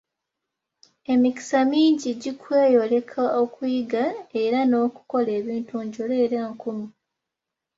Emikisa mingi gikweyoleka okuyiga era n'okukola ebintu njolo era nkumu.